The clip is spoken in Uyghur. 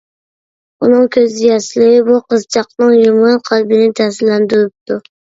ئۇنىڭ كۆز ياشلىرى بۇ قىزچاقنىڭ يۇمران قەلبىنى تەسىرلەندۈرۈپتۇ.